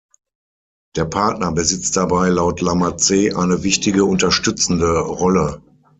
Der Partner besitzt dabei laut Lamaze eine wichtige, unterstützende Rolle.